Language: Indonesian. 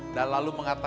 dan lalu mengangkatnya